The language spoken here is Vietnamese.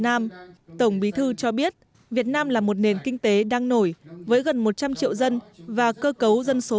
nam tổng bí thư cho biết việt nam là một nền kinh tế đang nổi với gần một trăm linh triệu dân và cơ cấu dân số